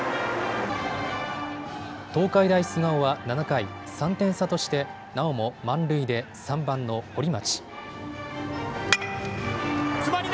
東海大菅生は７回、３点差としてなおも満塁で３番の堀町。